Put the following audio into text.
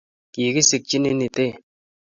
Kigisikchinin Iten